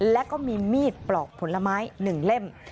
และก็มีมีดปลอกผลไม้๑เล่ม